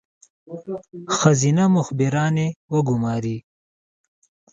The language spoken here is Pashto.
ښځینه مخبرانې وګوماري.